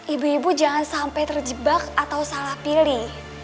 ibu ibu jangan sampai terjebak atau salah pilih